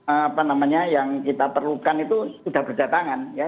apa namanya yang kita perlukan itu sudah berdatangan ya